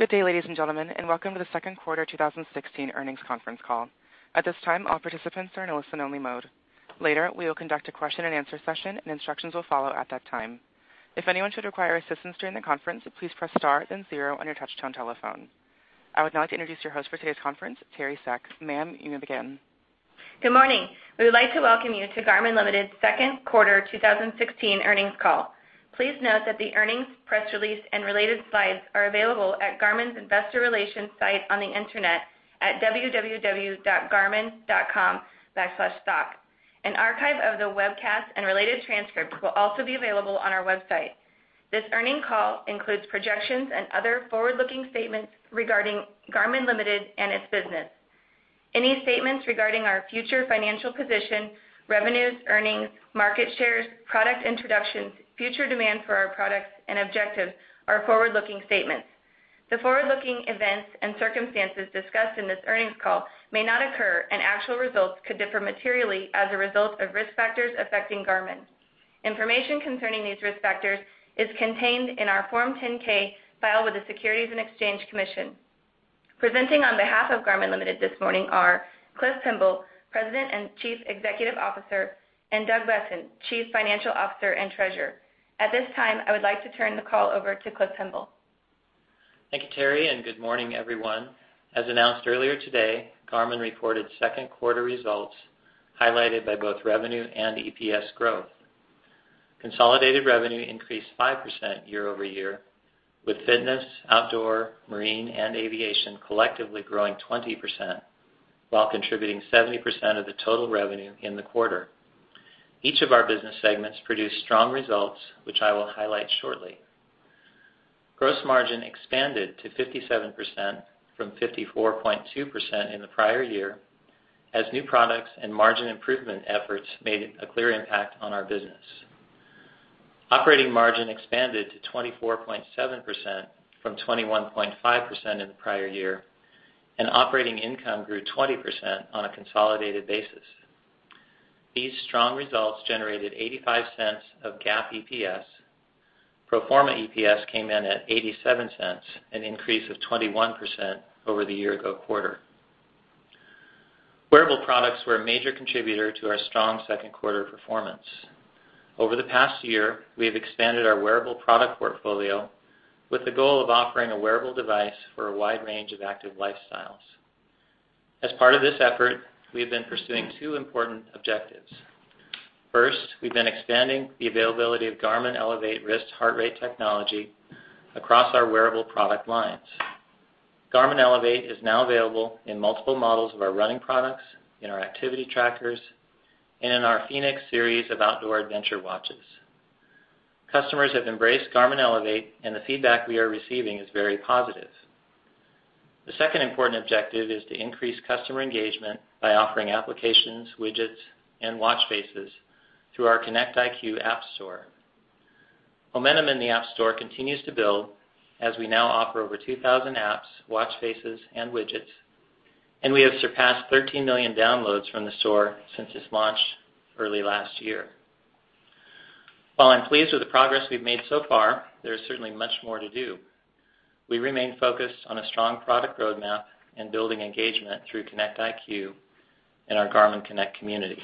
Good day, ladies and gentlemen, and welcome to the second quarter 2016 earnings conference call. At this time, all participants are in listen only mode. Later, we will conduct a question and answer session, and instructions will follow at that time. If anyone should require assistance during the conference, please press star then zero on your touch-tone telephone. I would now like to introduce your host for today's conference, Teri Seck. Ma'am, you may begin. Good morning. We would like to welcome you to Garmin Ltd.'s second quarter 2016 earnings call. Please note that the earnings, press release, and related slides are available at Garmin's Investor Relations site on the internet at www.garmin.com/stock. An archive of the webcast and related transcript will also be available on our website. This earnings call includes projections and other forward-looking statements regarding Garmin Ltd. and its business. Any statements regarding our future financial position, revenues, earnings, market shares, product introductions, future demand for our products, and objectives are forward-looking statements. The forward-looking events and circumstances discussed in this earnings call may not occur, and actual results could differ materially as a result of risk factors affecting Garmin. Information concerning these risk factors is contained in our Form 10-K filed with the Securities and Exchange Commission. Presenting on behalf of Garmin Ltd. this morning are Cliff Pemble, President and Chief Executive Officer, and Doug Boessen, Chief Financial Officer and Treasurer. At this time, I would like to turn the call over to Cliff Pemble. Thank you, Teri, and good morning, everyone. As announced earlier today, Garmin reported second quarter results highlighted by both revenue and EPS growth. Consolidated revenue increased 5% year-over-year with fitness, outdoor, marine, and aviation collectively growing 20% while contributing 70% of the total revenue in the quarter. Each of our business segments produced strong results, which I will highlight shortly. Gross margin expanded to 57% from 54.2% in the prior year as new products and margin improvement efforts made a clear impact on our business. Operating margin expanded to 24.7% from 21.5% in the prior year, and operating income grew 20% on a consolidated basis. These strong results generated $0.85 of GAAP EPS. Pro forma EPS came in at $0.87, an increase of 21% over the year-ago quarter. Wearable products were a major contributor to our strong second quarter performance. Over the past year, we have expanded our wearable product portfolio with the goal of offering a wearable device for a wide range of active lifestyles. As part of this effort, we have been pursuing two important objectives. First, we've been expanding the availability of Garmin Elevate wrist heart rate technology across our wearable product lines. Garmin Elevate is now available in multiple models of our running products, in our activity trackers, and in our fēnix series of outdoor adventure watches. Customers have embraced Garmin Elevate, and the feedback we are receiving is very positive. The second important objective is to increase customer engagement by offering applications, widgets, and watch faces through our Connect IQ app store. Momentum in the app store continues to build as we now offer over 2,000 apps, watch faces, and widgets, and we have surpassed 13 million downloads from the store since its launch early last year. While I'm pleased with the progress we've made so far, there is certainly much more to do. We remain focused on a strong product roadmap and building engagement through Connect IQ and our Garmin Connect community.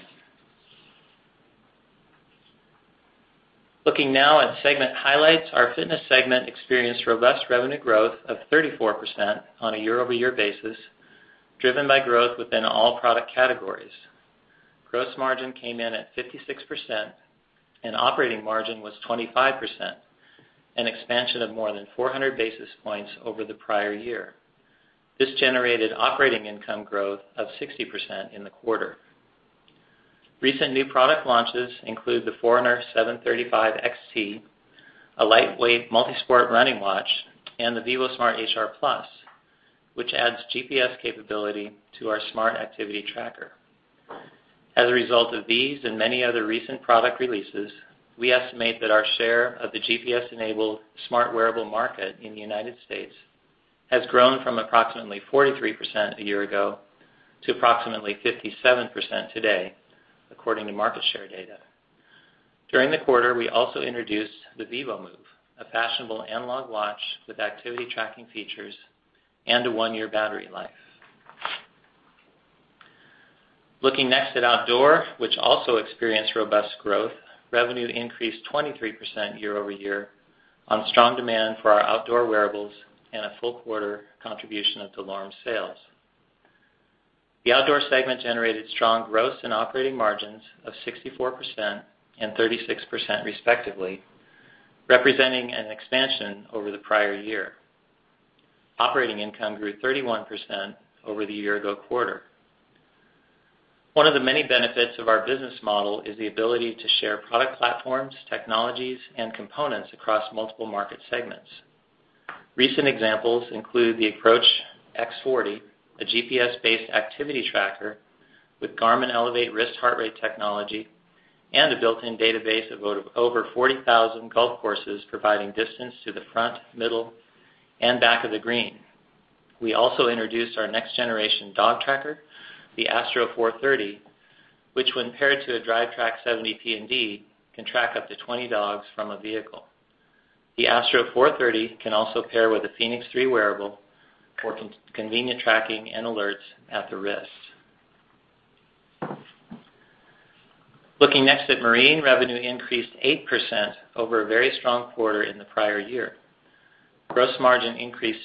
Looking now at segment highlights. Our fitness segment experienced robust revenue growth of 34% on a year-over-year basis, driven by growth within all product categories. Gross margin came in at 56%, and operating margin was 25%, an expansion of more than 400 basis points over the prior year. This generated operating income growth of 60% in the quarter. Recent new product launches include the Forerunner 735XT, a lightweight multi-sport running watch, and the vívosmart HR+, which adds GPS capability to our smart activity tracker. As a result of these and many other recent product releases, we estimate that our share of the GPS-enabled smart wearable market in the U.S. has grown from approximately 43% a year ago to approximately 57% today, according to market share data. During the quarter, we also introduced the vívomove, a fashionable analog watch with activity tracking features and a one-year battery life. Looking next at outdoor, which also experienced robust growth, revenue increased 23% year-over-year on strong demand for our outdoor wearables and a full quarter contribution of DeLorme sales. The outdoor segment generated strong gross and operating margins of 64% and 36% respectively, representing an expansion over the prior year. Operating income grew 31% over the year-ago quarter. One of the many benefits of our business model is the ability to share product platforms, technologies, and components across multiple market segments. Recent examples include the Approach X40, a GPS-based activity tracker with Garmin Elevate wrist heart rate technology, and a built-in database of over 40,000 golf courses providing distance to the front, middle, and back of the green. We also introduced our next-generation dog tracker, the Astro 430, which when paired to a DriveTrack 70 PND, can track up to 20 dogs from a vehicle. The Astro 430 can also pair with a fēnix 3 wearable for convenient tracking and alerts at the wrist. Looking next at Marine, revenue increased 8% over a very strong quarter in the prior year. Gross margin increased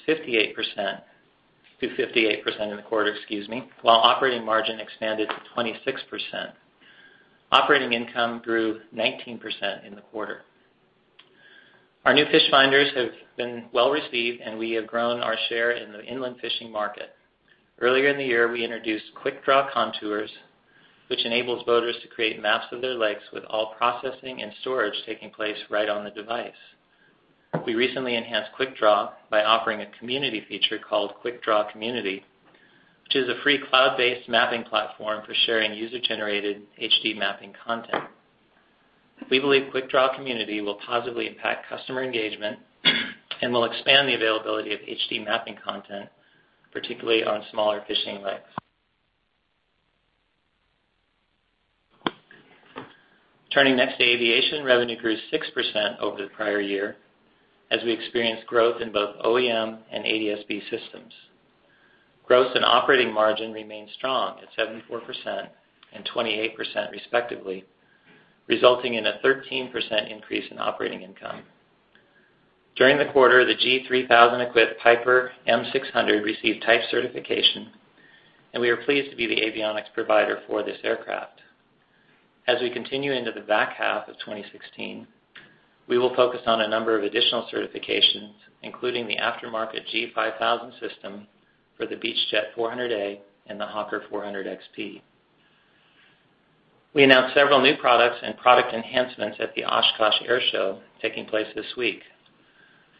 to 58% in the quarter, while operating margin expanded to 26%. Operating income grew 19% in the quarter. Our new fish finders have been well-received, and we have grown our share in the inland fishing market. Earlier in the year, we introduced Quickdraw Contours, which enables boaters to create maps of their lakes with all processing and storage taking place right on the device. We recently enhanced Quickdraw by offering a community feature called Quickdraw Community, which is a free cloud-based mapping platform for sharing user-generated HD mapping content. We believe Quickdraw Community will positively impact customer engagement, and will expand the availability of HD mapping content, particularly on smaller fishing lakes. Turning next to Aviation, revenue grew 6% over the prior year, as we experienced growth in both OEM and ADS-B systems. Growth and operating margin remained strong at 74% and 28%, respectively, resulting in a 13% increase in operating income. During the quarter, the G3000-equipped Piper M600 received type certification, and we are pleased to be the avionics provider for this aircraft. As we continue into the back half of 2016, we will focus on a number of additional certifications, including the aftermarket G5000 system for the Beechjet 400A and the Hawker 400XP. We announced several new products and product enhancements at the Oshkosh Air Show taking place this week.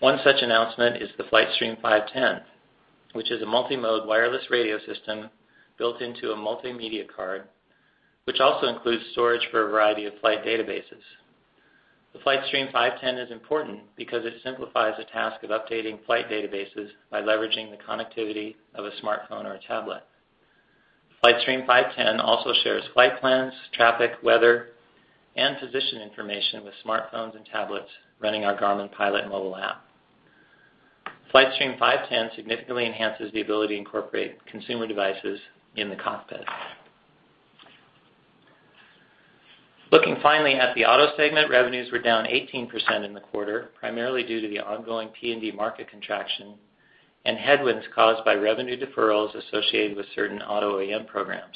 One such announcement is the Flight Stream 510, which is a multi-mode wireless radio system built into a multimedia card, which also includes storage for a variety of flight databases. The Flight Stream 510 is important because it simplifies the task of updating flight databases by leveraging the connectivity of a smartphone or a tablet. Flight Stream 510 also shares flight plans, traffic, weather, and position information with smartphones and tablets running our Garmin Pilot mobile app. Flight Stream 510 significantly enhances the ability to incorporate consumer devices in the cockpit. Looking finally at the Auto segment, revenues were down 18% in the quarter, primarily due to the ongoing PND market contraction and headwinds caused by revenue deferrals associated with certain auto OEM programs.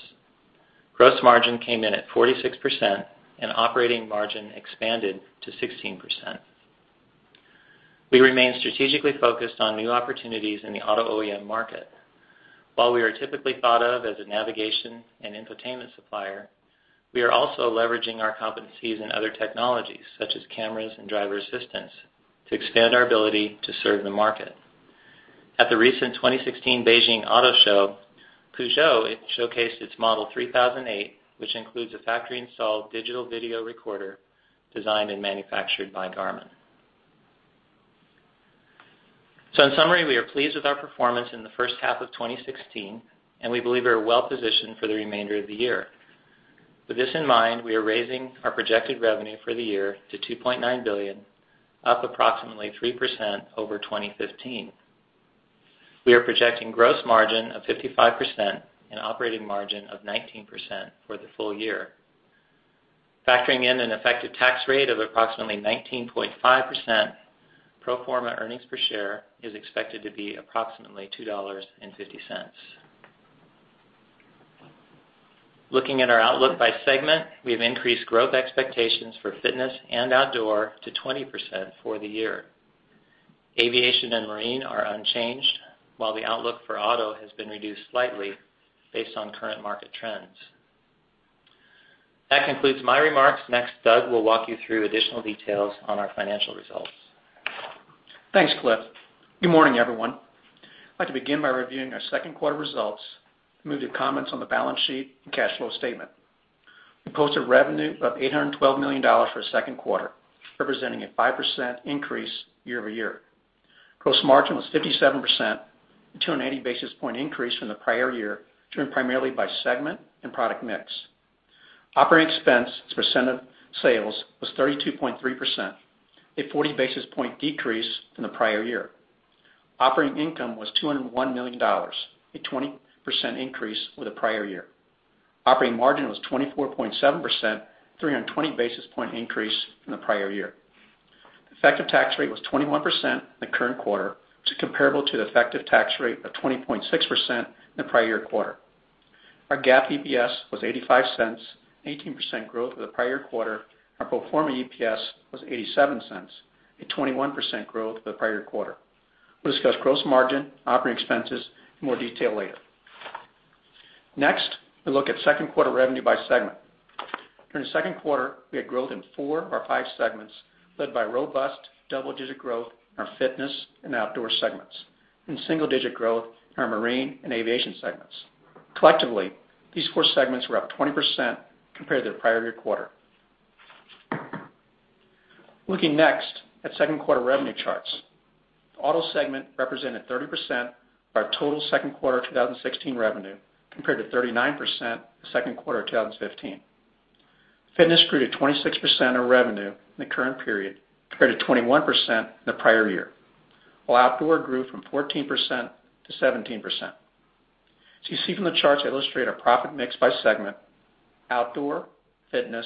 Gross margin came in at 46%, and operating margin expanded to 16%. We remain strategically focused on new opportunities in the auto OEM market. While we are typically thought of as a navigation and infotainment supplier, we are also leveraging our competencies in other technologies, such as cameras and driver assistance, to expand our ability to serve the market. At the recent 2016 Beijing Auto Show, Peugeot showcased its Model 3008, which includes a factory-installed digital video recorder designed and manufactured by Garmin. In summary, we are pleased with our performance in the first half of 2016, and we believe we are well positioned for the remainder of the year. With this in mind, we are raising our projected revenue for the year to $2.9 billion, up approximately 3% over 2015. We are projecting gross margin of 55% and operating margin of 19% for the full year. Factoring in an effective tax rate of approximately 19.5%, pro forma earnings per share is expected to be approximately $2.50. Looking at our outlook by segment, we have increased growth expectations for Fitness and Outdoor to 20% for the year. Aviation and Marine are unchanged, while the outlook for Auto has been reduced slightly based on current market trends. That concludes my remarks. Next, Doug will walk you through additional details on our financial results. Thanks, Cliff. Good morning, everyone. I'd like to begin by reviewing our second quarter results, and move to comments on the balance sheet and cash flow statement. We posted revenue of $812 million for the second quarter, representing a 5% increase year-over-year. Gross margin was 57%, a 290 basis point increase from the prior year, driven primarily by segment and product mix. Operating expense as a % of sales was 32.3%, a 40 basis point decrease from the prior year. Operating income was $201 million, a 20% increase over the prior year. Operating margin was 24.7%, a 320 basis point increase from the prior year. Effective tax rate was 21% in the current quarter, which is comparable to the effective tax rate of 20.6% in the prior year quarter. Our GAAP EPS was $0.85, an 18% growth over the prior quarter. Our pro forma EPS was $0.87, a 21% growth over the prior quarter. We'll discuss gross margin, operating expenses in more detail later. Next, we look at second quarter revenue by segment. During the second quarter, we had growth in four of our five segments, led by robust double-digit growth in our Fitness and Outdoor segments, single-digit growth in our Marine and Aviation segments. Collectively, these four segments were up 20% compared to the prior year quarter. Looking next at second quarter revenue charts. Auto segment represented 30% of our total second quarter 2016 revenue, compared to 39% second quarter 2015. Fitness grew to 26% of revenue in the current period, compared to 21% in the prior year, while Outdoor grew from 14% to 17%. As you see from the charts that illustrate our profit mix by segment, Outdoor, Fitness,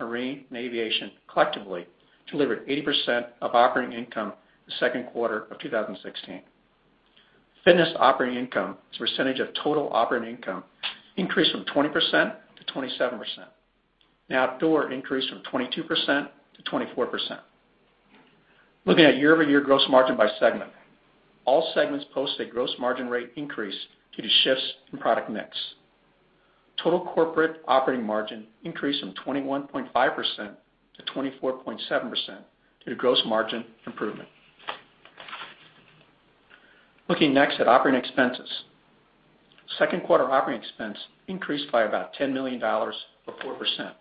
Marine, and Aviation collectively delivered 80% of operating income in the second quarter of 2016. Fitness operating income as a percentage of total operating income increased from 20% to 27%. Outdoor increased from 22% to 24%. Looking at year-over-year gross margin by segment, all segments posted gross margin rate increase due to shifts in product mix. Total corporate operating margin increased from 21.5% to 24.7% due to gross margin improvement. Looking next at operating expenses. Second quarter operating expense increased by about $10 million, or 4%.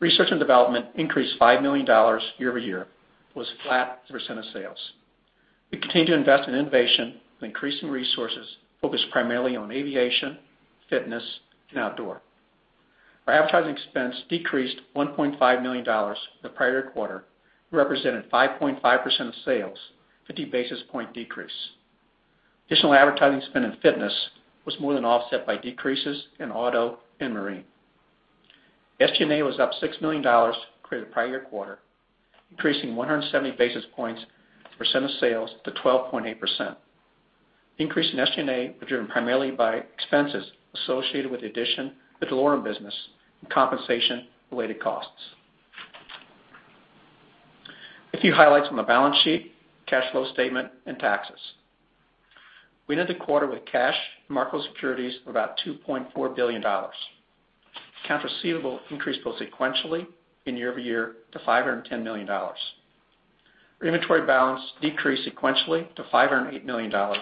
Research and development increased $5 million year-over-year, was flat as a % of sales. We continue to invest in innovation and increasing resources focused primarily on Aviation, Fitness, and Outdoor. Our advertising expense decreased $1.5 million from the prior quarter, represented 5.5% of sales, 50 basis point decrease. Additional advertising spend in Fitness was more than offset by decreases in Auto and Marine. SG&A was up $6 million compared to the prior quarter, increasing 170 basis points as a % of sales to 12.8%. The increase in SG&A was driven primarily by expenses associated with the addition of the DeLorme business and compensation-related costs. A few highlights from the balance sheet, cash flow statement, and taxes. We ended the quarter with cash, marketable securities of about $2.4 billion. Accounts receivable increased both sequentially and year-over-year to $510 million. Our inventory balance decreased sequentially to $508 million as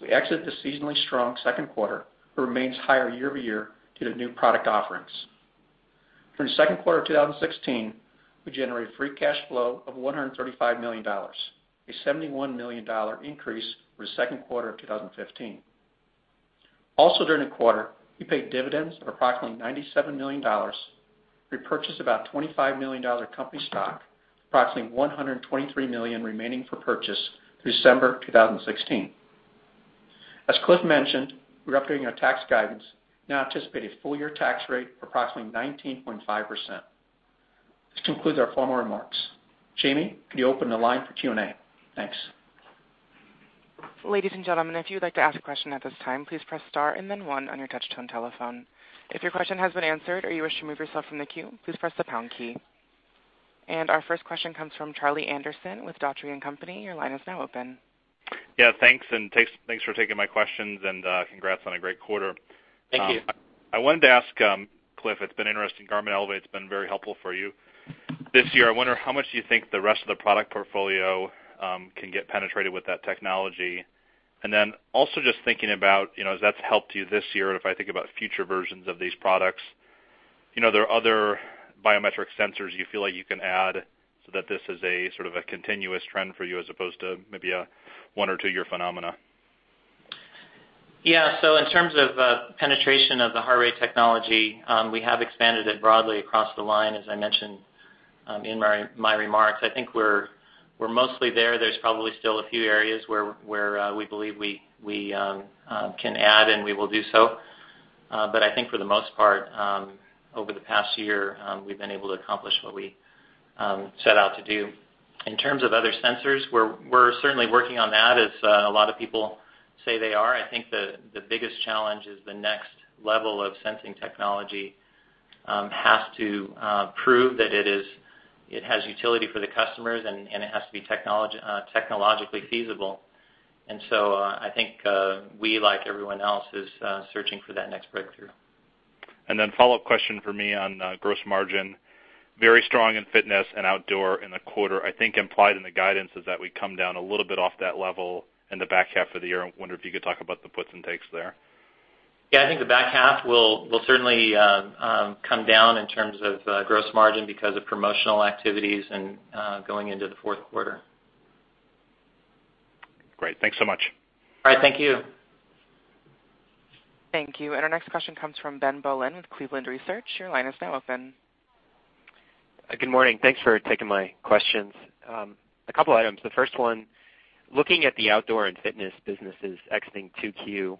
we exit the seasonally strong second quarter, but remains higher year-over-year due to new product offerings. For the second quarter of 2016, we generated free cash flow of $135 million, a $71 million increase over the second quarter of 2015. Also during the quarter, we paid dividends of approximately $97 million. We purchased about $25 million of company stock, approximately $123 million remaining for purchase through December 2016. As Cliff mentioned, we're updating our tax guidance, now anticipate a full-year tax rate of approximately 19.5%. This concludes our formal remarks. Jamie, could you open the line for Q&A? Thanks. Ladies and gentlemen, if you'd like to ask a question at this time, please press star and then one on your touch-tone telephone. If your question has been answered or you wish to remove yourself from the queue, please press the pound key. Our first question comes from Charlie Anderson with Dougherty & Co. Your line is now open. Yeah, thanks, and thanks for taking my questions and congrats on a great quarter. Thank you. I wanted to ask Cliff, it's been interesting, Garmin Elevate's been very helpful for you this year. I wonder how much do you think the rest of the product portfolio can get penetrated with that technology? Also just thinking about as that's helped you this year, and if I think about future versions of these products, there are other biometric sensors you feel like you can add so that this is a sort of a continuous trend for you as opposed to maybe a one or two year phenomena? Yeah. In terms of penetration of the heart rate technology, we have expanded it broadly across the line, as I mentioned in my remarks. I think we're mostly there. There's probably still a few areas where we believe we can add, and we will do so. I think for the most part, over the past year, we've been able to accomplish what we set out to do. In terms of other sensors, we're certainly working on that as a lot of people say they are. I think the biggest challenge is the next level of sensing technology has to prove that it has utility for the customers, and it has to be technologically feasible. I think we, like everyone else, is searching for that next breakthrough. A follow-up question from me on gross margin. Very strong in Fitness and Outdoor in the quarter. I think implied in the guidance is that we come down a little bit off that level in the back half of the year. I wonder if you could talk about the puts and takes there. Yeah, I think the back half will certainly come down in terms of gross margin because of promotional activities and going into the fourth quarter. Great. Thanks so much. All right. Thank you. Thank you. Our next question comes from Ben Bollin with Cleveland Research. Your line is now open. Good morning. Thanks for taking my questions. A couple items. The first one, looking at the Outdoor and Fitness businesses exiting 2Q,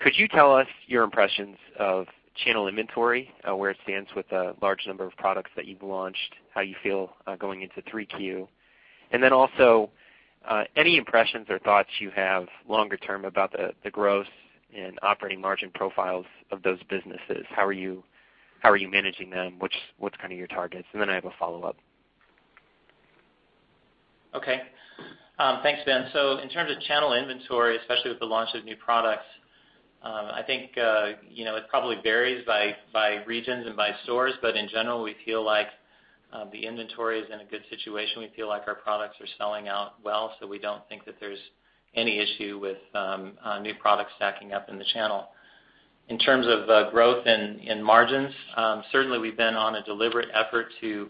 could you tell us your impressions of channel inventory, where it stands with the large number of products that you've launched, how you feel going into 3Q? Also, any impressions or thoughts you have longer term about the growth and operating margin profiles of those businesses. How are you managing them? What's kind of your targets? I have a follow-up. Okay. Thanks, Ben. In terms of channel inventory, especially with the launch of new products, I think it probably varies by regions and by stores, in general, we feel like the inventory is in a good situation. We feel like our products are selling out well, we don't think that there's any issue with new products stacking up in the channel. In terms of growth in margins, certainly we've been on a deliberate effort to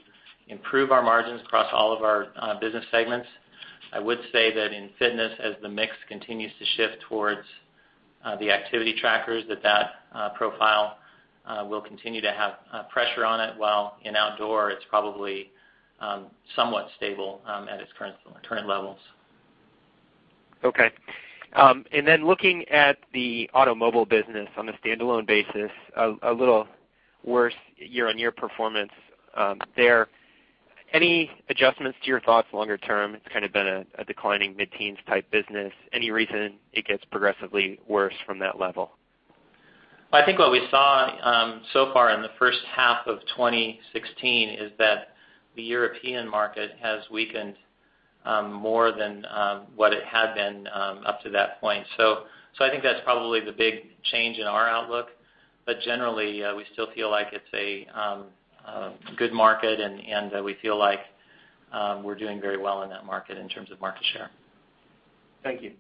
improve our margins across all of our business segments. I would say that in fitness, as the mix continues to shift towards the activity trackers, that profile will continue to have pressure on it, while in outdoor it's probably somewhat stable at its current levels. Okay. Looking at the automobile business on a standalone basis, a little worse year-on-year performance there. Any adjustments to your thoughts longer term? It's kind of been a declining mid-teens type business. Any reason it gets progressively worse from that level? I think what we saw so far in the first half of 2016 is that the European market has weakened more than what it had been up to that point. I think that's probably the big change in our outlook. Generally, we still feel like it's a good market, we feel like we're doing very well in that market in terms of market share. Thank you.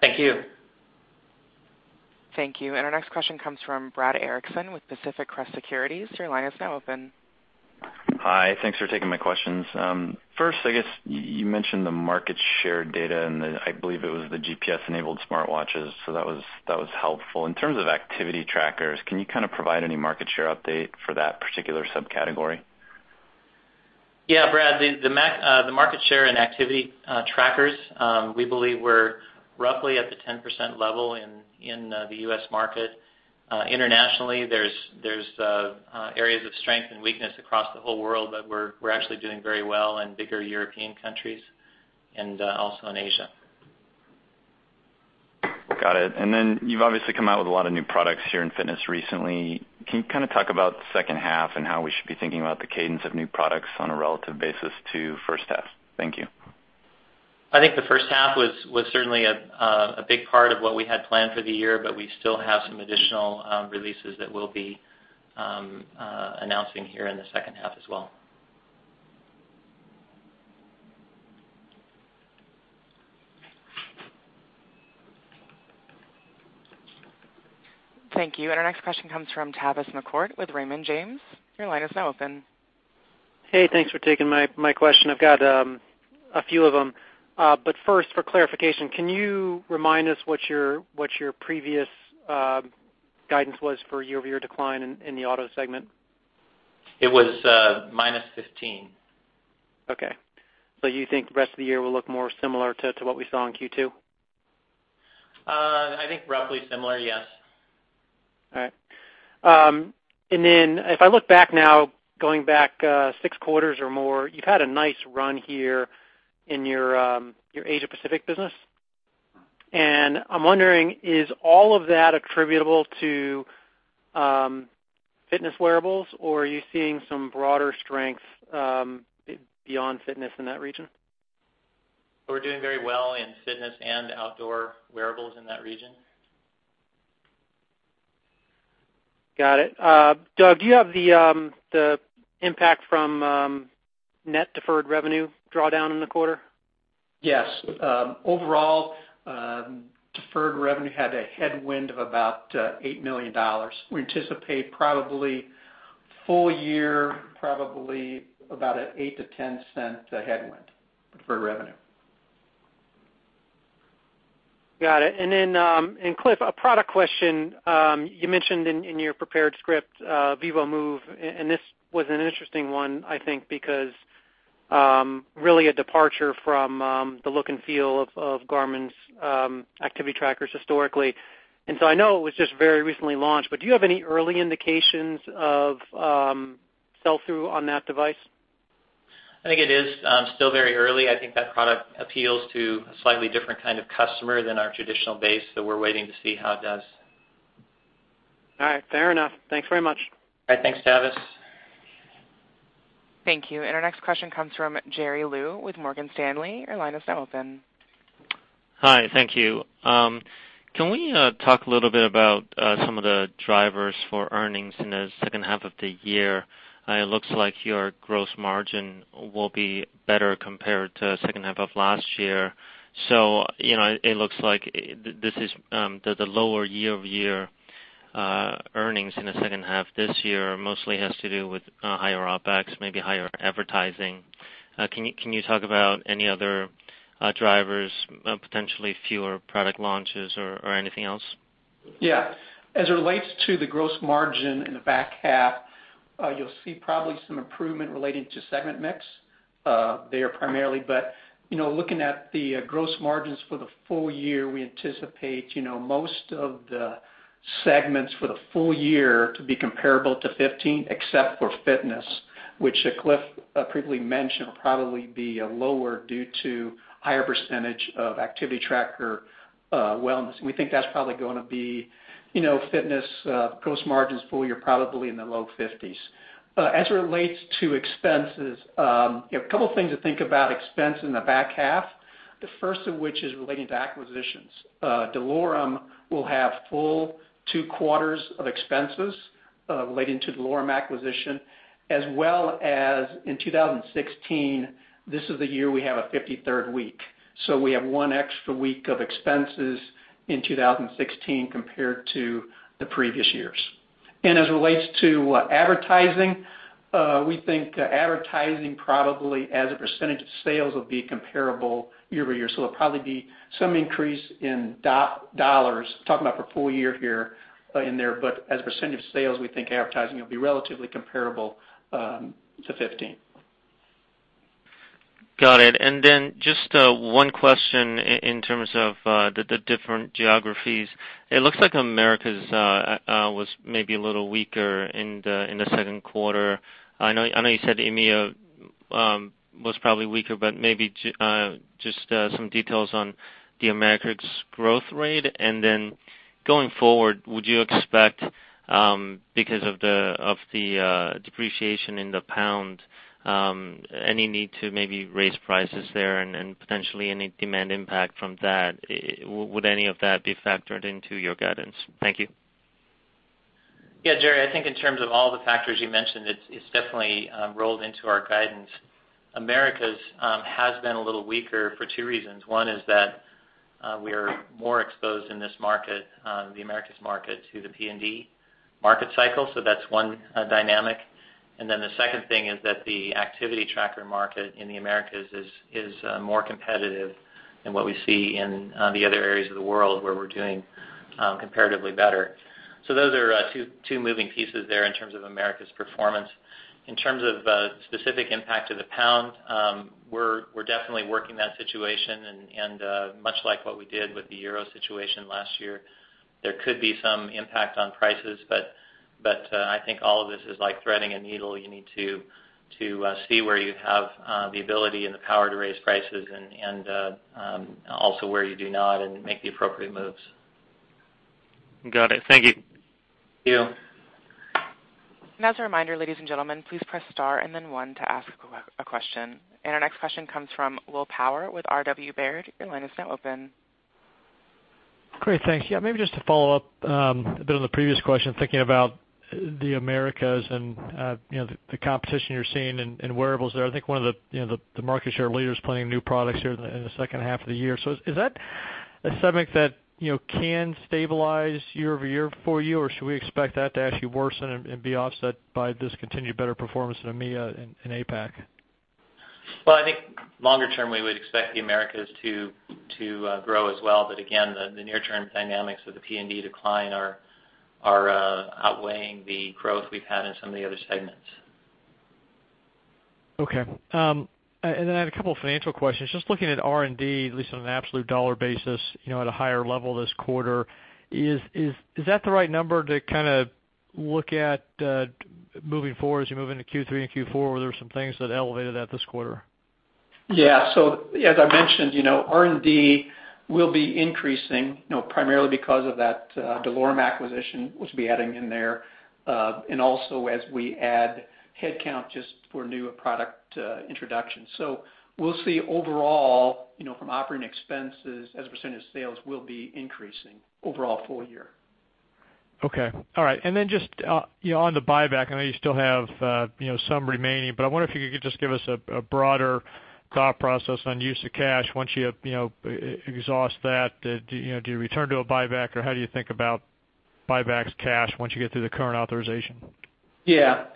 Thank you. Thank you. Our next question comes from Brad Erickson with Pacific Crest Securities. Your line is now open. Hi. Thanks for taking my questions. First, I guess you mentioned the market share data, and I believe it was the GPS-enabled smartwatches, so that was helpful. In terms of activity trackers, can you kind of provide any market share update for that particular subcategory? Yeah, Brad, the market share in activity trackers, we believe we're roughly at the 10% level in the U.S. market. Internationally, there's areas of strength and weakness across the whole world, but we're actually doing very well in bigger European countries and also in Asia. Got it. Then you've obviously come out with a lot of new products here in fitness recently. Can you kind of talk about the second half and how we should be thinking about the cadence of new products on a relative basis to the first half? Thank you. I think the first half was certainly a big part of what we had planned for the year, but we still have some additional releases that we'll be announcing here in the second half as well. Thank you. Our next question comes from Tavis McCourt with Raymond James. Your line is now open. Hey, thanks for taking my question. I've got a few of them. First, for clarification, can you remind us what your previous guidance was for year-over-year decline in the auto segment? It was minus 15. Okay, you think the rest of the year will look more similar to what we saw in Q2? I think roughly similar, yes. All right. If I look back now, going back six quarters or more, you've had a nice run here in your Asia Pacific business. I'm wondering, is all of that attributable to fitness wearables, or are you seeing some broader strength beyond fitness in that region? We're doing very well in fitness and outdoor wearables in that region. Got it. Doug, do you have the impact from net deferred revenue drawdown in the quarter? Yes. Overall, deferred revenue had a headwind of about $8 million. We anticipate probably full year, probably about an $0.08-$0.10 headwind deferred revenue. Got it. Cliff, a product question. You mentioned in your prepared script, vívomove, and this was an interesting one, I think because really a departure from the look and feel of Garmin's activity trackers historically. I know it was just very recently launched, but do you have any early indications of sell-through on that device? I think it is still very early. I think that product appeals to a slightly different kind of customer than our traditional base, so we're waiting to see how it does. All right. Fair enough. Thanks very much. All right. Thanks, Tavis. Thank you. Our next question comes from Jerry Liu with Morgan Stanley. Your line is now open. Hi. Thank you. Can we talk a little bit about some of the drivers for earnings in the second half of the year? It looks like your gross margin will be better compared to the second half of last year. It looks like the lower year-over-year earnings in the second half this year mostly has to do with higher OpEx, maybe higher advertising. Can you talk about any other drivers, potentially fewer product launches or anything else? Yeah. As it relates to the gross margin in the back half, you'll see probably some improvement relating to segment mix there primarily. Looking at the gross margins for the full year, we anticipate most of the segments for the full year to be comparable to 2015, except for fitness, which as Cliff previously mentioned, will probably be lower due to higher percentage of activity tracker wellness. We think that's probably going to be fitness gross margins full year, probably in the low 50s. As it relates to expenses, a couple things to think about expense in the back half, the first of which is relating to acquisitions. DeLorme will have full two quarters of expenses related to the DeLorme acquisition, as well as in 2016, this is the year we have a 53rd week. We have one extra week of expenses in 2016 compared to the previous years. As it relates to advertising, we think advertising probably as a percentage of sales will be comparable year-over-year. There'll probably be some increase in dollars, talking about for full year here, in there, but as a percentage of sales, we think advertising will be relatively comparable to 2015. Got it. Just one question in terms of the different geographies. It looks like Americas was maybe a little weaker in the second quarter. I know you said EMEA was probably weaker, but maybe just some details on the Americas growth rate. Going forward, would you expect, because of the depreciation in the pound, any need to maybe raise prices there and potentially any demand impact from that? Would any of that be factored into your guidance? Thank you. Yeah, Jerry, I think in terms of all the factors you mentioned, it's definitely rolled into our guidance. Americas has been a little weaker for two reasons. One is that we are more exposed in this market, the Americas market, to the PND market cycle, that's one dynamic. The second thing is that the activity tracker market in the Americas is more competitive than what we see in the other areas of the world where we're doing comparatively better. Those are two moving pieces there in terms of Americas performance. In terms of specific impact of the pound, we're definitely working that situation, and much like what we did with the euro situation last year, there could be some impact on prices. I think all of this is like threading a needle. You need to see where you have the ability and the power to raise prices, and also where you do not, and make the appropriate moves. Got it. Thank you. Thank you. As a reminder, ladies and gentlemen, please press star and then one to ask a question. Our next question comes from Will Power with R.W. Baird. Your line is now open. Great. Thanks. Yeah, maybe just to follow up a bit on the previous question, thinking about the Americas and the competition you're seeing in wearables there. I think one of the market share leaders planning new products here in the second half of the year. Is that a segment that can stabilize year-over-year for you, or should we expect that to actually worsen and be offset by this continued better performance in EMEA and APAC? Well, I think longer term, we would expect the Americas to grow as well. Again, the near-term dynamics of the PND decline are outweighing the growth we've had in some of the other segments. Okay. I have a couple financial questions. Just looking at R&D, at least on an absolute dollar basis, at a higher level this quarter, is that the right number to look at moving forward as you move into Q3 and Q4? Were there some things that elevated that this quarter? Yeah. As I mentioned, R&D will be increasing, primarily because of that DeLorme acquisition, which we'll be adding in there, and also as we add headcount just for new product introduction. We'll see overall from operating expenses as a percentage of sales will be increasing overall full year. Okay. All right. Just on the buyback, I know you still have some remaining. I wonder if you could just give us a broader thought process on use of cash once you exhaust that. Do you return to a buyback? How do you think about buybacks cash once you get through the current authorization? Yeah.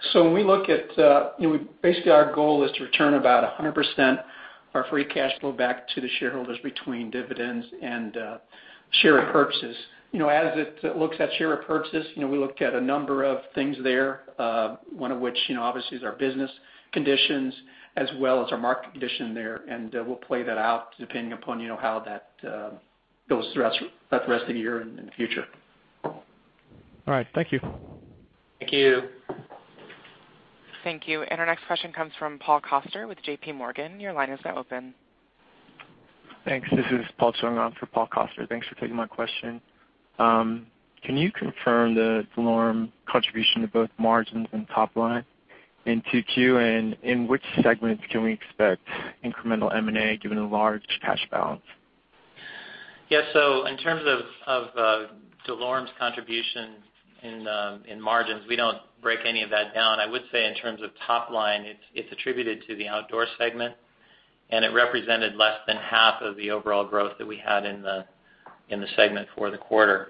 Basically, our goal is to return about 100% of our free cash flow back to the shareholders between dividends and share purchases. As it looks at share purchases, we looked at a number of things there, one of which, obviously, is our business conditions as well as our market condition there. We'll play that out depending upon how that goes throughout the rest of the year and in the future. All right. Thank you. Thank you. Thank you. Our next question comes from Paul Coster with JPMorgan. Your line is now open. Thanks. This is Paul Chung, I'm for Paul Coster. Thanks for taking my question. Can you confirm the DeLorme contribution to both margins and top line in 2Q? In which segments can we expect incremental M&A given the large cash balance? In terms of DeLorme's contribution in margins, we don't break any of that down. I would say in terms of top line, it's attributed to the outdoor segment, it represented less than half of the overall growth that we had in the segment for the quarter.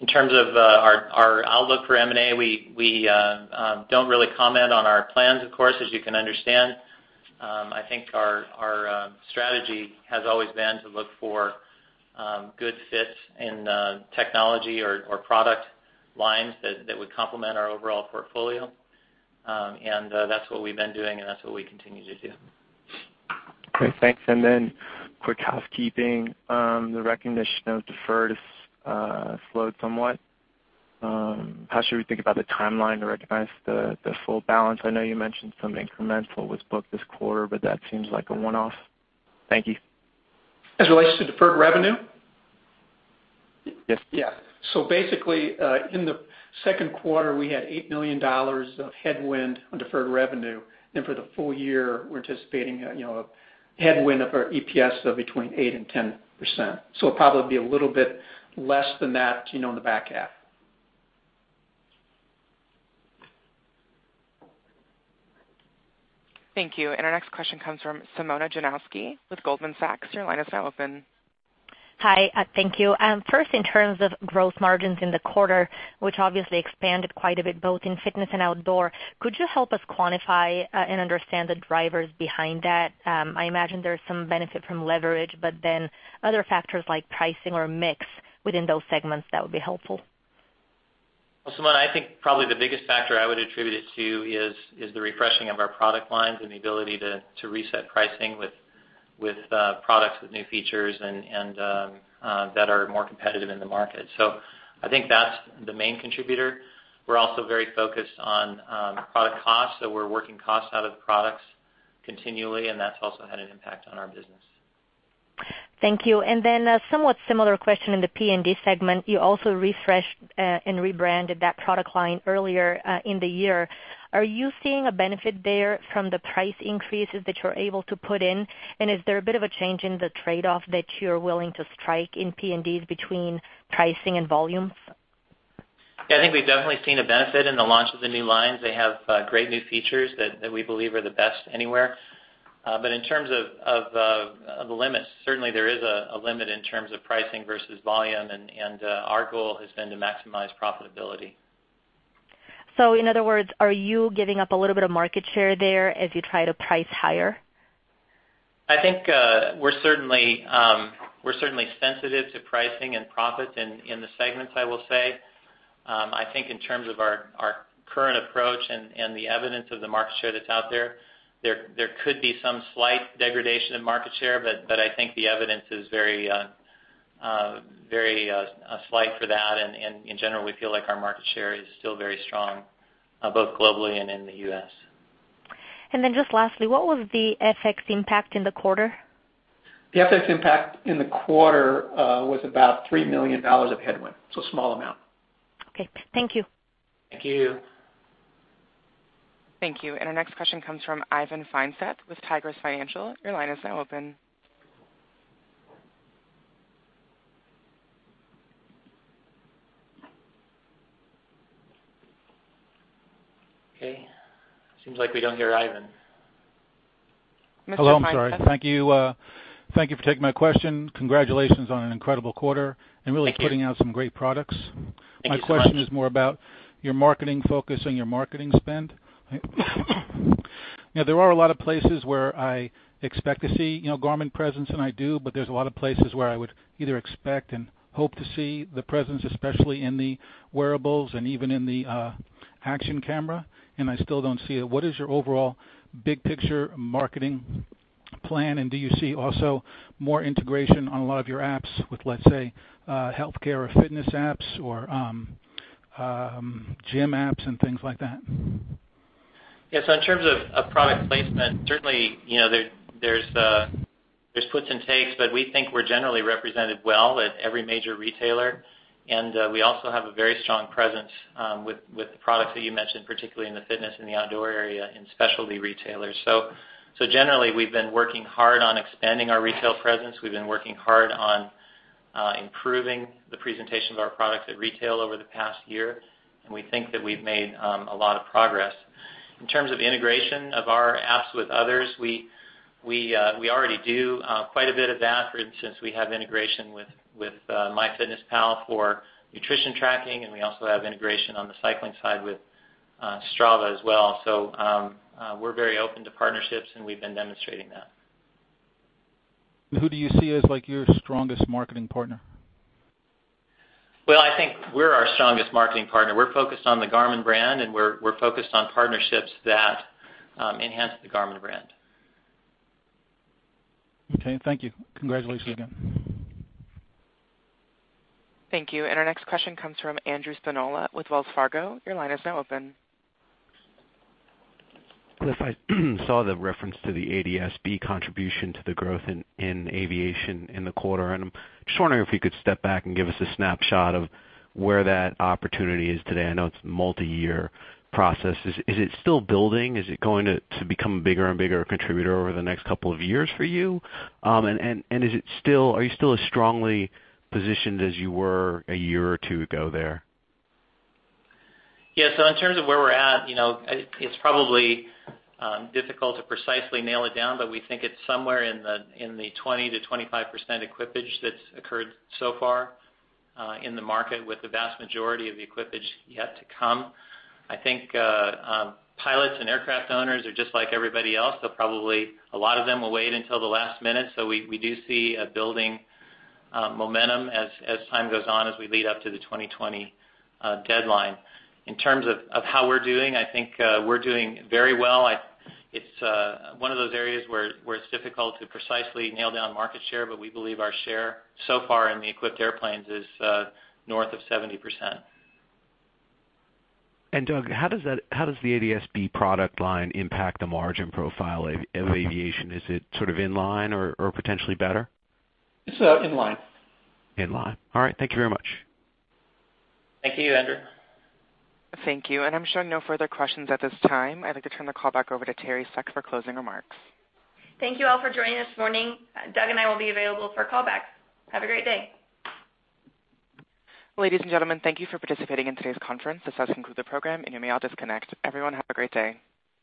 In terms of our outlook for M&A, we don't really comment on our plans, of course, as you can understand. I think our strategy has always been to look for good fits in technology or product lines that would complement our overall portfolio. That's what we've been doing, that's what we continue to do. Great. Thanks. Then quick housekeeping. The recognition of deferred slowed somewhat. How should we think about the timeline to recognize the full balance? I know you mentioned some incremental was booked this quarter, that seems like a one-off. Thank you. As it relates to deferred revenue? Yes. Basically, in the second quarter, we had $8 million of headwind on deferred revenue. For the full year, we're anticipating a headwind of our EPS of between 8% and 10%. It'll probably be a little bit less than that in the back half. Thank you. Our next question comes from Simona Jankowski with Goldman Sachs. Your line is now open. Hi, thank you. First, in terms of gross margins in the quarter, which obviously expanded quite a bit both in fitness and outdoor, could you help us quantify and understand the drivers behind that? I imagine there's some benefit from leverage, other factors like pricing or mix within those segments, that would be helpful. Well, Simona, I think probably the biggest factor I would attribute it to is the refreshing of our product lines and the ability to reset pricing with products with new features and that are more competitive in the market. I think that's the main contributor. We're also very focused on product costs, we're working costs out of the products continually, that's also had an impact on our business. Thank you. A somewhat similar question in the PND segment. You also refreshed and rebranded that product line earlier in the year. Are you seeing a benefit there from the price increases that you're able to put in? Is there a bit of a change in the trade-off that you're willing to strike in PND between pricing and volume? Yeah, I think we've definitely seen a benefit in the launch of the new lines. They have great new features that we believe are the best anywhere. In terms of limits, certainly there is a limit in terms of pricing versus volume and our goal has been to maximize profitability. In other words, are you giving up a little bit of market share there as you try to price higher? I think we're certainly sensitive to pricing and profit in the segments, I will say. I think in terms of our current approach and the evidence of the market share that's out there could be some slight degradation in market share, but I think the evidence is very slight for that and in general, we feel like our market share is still very strong, both globally and in the U.S. Just lastly, what was the FX impact in the quarter? The FX impact in the quarter was about $3 million of headwind, a small amount. Okay. Thank you. Thank you. Thank you. Our next question comes from Ivan Feinseth with Tigress Financial. Your line is now open. Okay. Seems like we don't hear Ivan. Mr. Feinseth? Hello. I'm sorry. Thank you for taking my question. Congratulations on an incredible quarter. Thank you. Really putting out some great products. Thank you so much. My question is more about your marketing focus and your marketing spend. There are a lot of places where I expect to see Garmin presence, and I do, but there's a lot of places where I would either expect and hope to see the presence, especially in the wearables and even in the action camera, and I still don't see it. What is your overall big picture marketing plan, and do you see also more integration on a lot of your apps with, let's say, healthcare or fitness apps or gym apps and things like that? Yes. In terms of product placement, certainly there's gives and takes, but we think we're generally represented well at every major retailer, and we also have a very strong presence with the products that you mentioned, particularly in the fitness and the outdoor area in specialty retailers. Generally, we've been working hard on expanding our retail presence. We've been working hard on improving the presentation of our products at retail over the past year, and we think that we've made a lot of progress. In terms of integration of our apps with others, we already do quite a bit of that. For instance, we have integration with MyFitnessPal for nutrition tracking, and we also have integration on the cycling side with Strava as well. We're very open to partnerships, and we've been demonstrating that. Who do you see as your strongest marketing partner? Well, I think we're our strongest marketing partner. We're focused on the Garmin brand, and we're focused on partnerships that enhance the Garmin brand. Okay. Thank you. Congratulations again. Thank you. Our next question comes from Andrew Spinola with Wells Fargo. Your line is now open. Cliff, I saw the reference to the ADS-B contribution to the growth in aviation in the quarter. I'm just wondering if you could step back and give us a snapshot of where that opportunity is today. I know it's a multi-year process. Is it still building? Is it going to become a bigger and bigger contributor over the next couple of years for you? Are you still as strongly positioned as you were a year or two ago there? Yes. In terms of where we're at, it's probably difficult to precisely nail it down, but we think it's somewhere in the 20%-25% equipage that's occurred so far in the market, with the vast majority of the equipage yet to come. I think pilots and aircraft owners are just like everybody else, probably a lot of them will wait until the last minute. We do see a building momentum as time goes on as we lead up to the 2020 deadline. In terms of how we're doing, I think we're doing very well. It's one of those areas where it's difficult to precisely nail down market share, but we believe our share so far in the equipped airplanes is north of 70%. Doug, how does the ADS-B product line impact the margin profile of aviation? Is it sort of in line or potentially better? It's in line. In line. All right. Thank you very much. Thank you, Andrew. Thank you. I'm showing no further questions at this time. I'd like to turn the call back over to Teri Seck for closing remarks. Thank you all for joining this morning. Doug and I will be available for call back. Have a great day. Ladies and gentlemen, thank you for participating in today's conference. This does conclude the program. You may all disconnect. Everyone, have a great day.